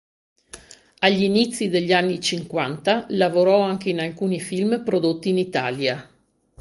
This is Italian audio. Agli inizi degli anni cinquanta lavorò anche in alcuni film prodotti in Italia.